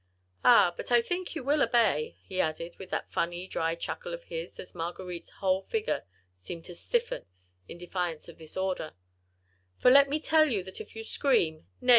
Ah! but I think you will obey," he added, with that funny dry chuckle of his as Marguerite's whole figure seemed to stiffen, in defiance of this order, "for let me tell you that if you scream, nay!